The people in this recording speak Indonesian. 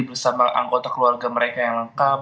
bersama anggota keluarga mereka yang lengkap